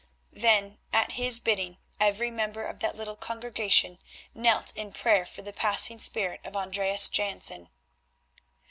Then at his bidding every member of that little congregation knelt in prayer for the passing spirit of Andreas Jansen.